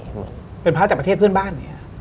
เป็นภาษาจากประเทศเพื่อนบ้าน